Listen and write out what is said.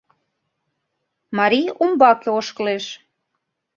Марий умбаке ошкылеш.